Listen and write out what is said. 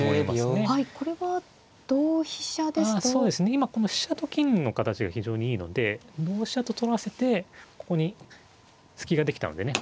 今この飛車と金の形が非常にいいので同飛車と取らせてここに隙ができたのでね